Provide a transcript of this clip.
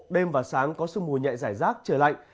đêm và sáng có sương mù nhẹ giải rác trời lạnh